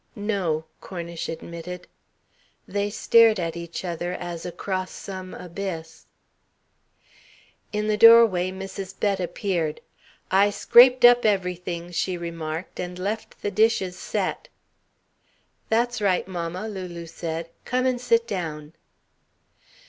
"No," Cornish admitted. They stared at each other as across some abyss. In the doorway Mrs. Bett appeared. "I scraped up everything," she remarked, "and left the dishes set." "That's right, mamma," Lulu said. "Come and sit down."